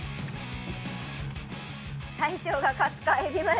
大将が勝つかえびまよ